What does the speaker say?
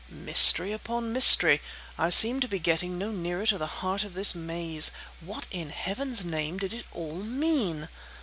Mystery upon mystery! I seemed to be getting no nearer to the heart of this maze. What in heaven's name did it all mean?